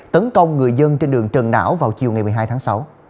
tấn công người dân trên đường trần não vào chiều một mươi hai tháng sáu